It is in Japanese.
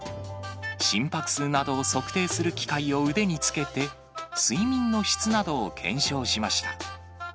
心拍数などを測定する機械を腕につけて、睡眠の質などを検証しました。